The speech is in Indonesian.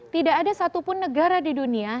tidak ada satupun negara di dunia